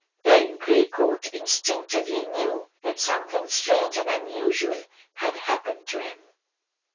Then Gray Coat instinctively knew that something strange and unusual had happened to him.